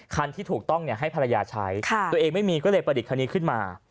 คันที่ถูกต้องให้ภรรยาใช้ตัวเองไม่มีก็เลยประดิษฐคันนี้ขึ้นมา